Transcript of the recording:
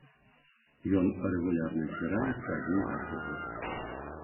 Ён рэгулярна збіраецца адзін раз у год.